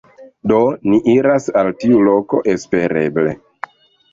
Do, ni iras al tiu loko, espereble